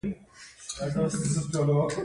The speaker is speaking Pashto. ایا تاسو د غاښونو ډاکټر یاست؟